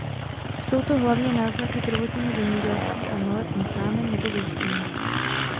Jsou to hlavně náznaky prvotního zemědělství a maleb na kámen nebo v jeskyních.